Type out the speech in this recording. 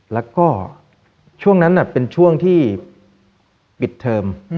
แล้วก็ช่วงนั้นเป็นช่วงที่ปิดเทอม